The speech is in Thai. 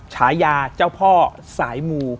ฉายาเจ้าพ่อสายมู